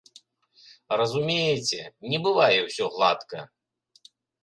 Разумееце, не бывае ўсё гладка.